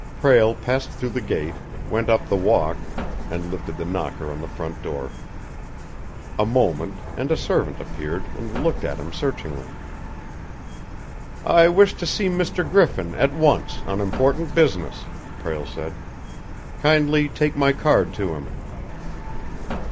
Prale passed through the gate, went up the walk, and lifted the knocker on the front door. A moment, and a servant appeared and looked at him searchingly. "I wish to see Mr. Griffin at once on important business," Prale said. "Kindly take my card to him."